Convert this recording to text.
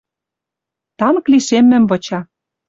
Танк лишеммӹм выча.